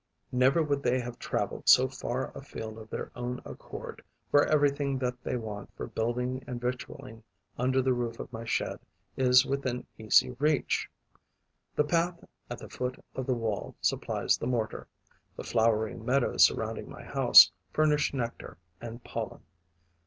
Never would they have travelled so far afield of their own accord, for everything that they want for building and victualling under the roof of my shed is within easy reach. The path at the foot of the wall supplies the mortar; the flowery meadows surrounding my house furnish nectar and pollen.